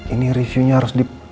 ini reviewnya harus di